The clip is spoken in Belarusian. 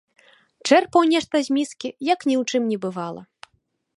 Чэрпаў нешта з міскі, як ні ў чым не бывала.